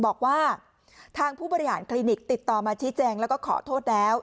บอกว่าทางผู้บริหารคลินิกติดต่อมาชี้แจงแล้วก็ขอโทษแล้ว